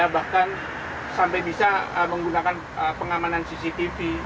bahkan sampai bisa menggunakan pengamanan cctv